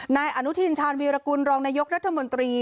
นายอนุทินชาญวีรกุลรองนายกรัฐมนตรี